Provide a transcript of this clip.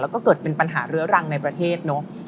แล้วก็เกิดเป็นปัญหาเรื้อรังในประเทศเนอะ